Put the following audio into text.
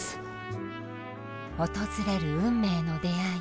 訪れる運命の出会い。